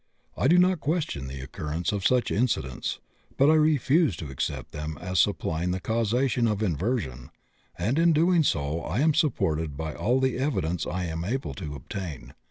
I do not question the occurrence of such incidents, but I refuse to accept them as supplying the causation of inversion, and in so doing I am supported by all the evidence I am able to obtain.